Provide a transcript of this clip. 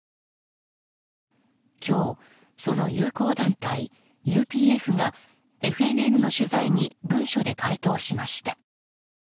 今日、その友好団体ＵＰＦがＦＮＮの取材に文書で回答しました。